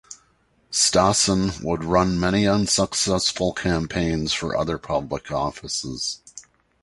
Stassen would run many unsuccessful campaigns for other public offices.